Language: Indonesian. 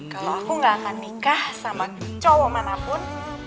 kalau aku gak akan nikah sama cowok manapun